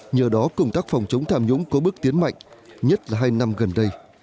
nhờ đó công tác phòng chống tham nhũng có bước tiến mạnh nhất là hai năm gần đây